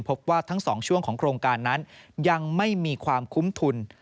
พบว่าทั้ง๒ช่วงของโครงการนั้นยังไม่มีความคุ้มทุน